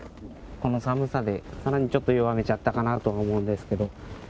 この寒さで、かなりちょっと弱めちゃったかなと思うんですけど。